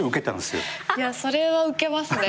いやそれはウケますね。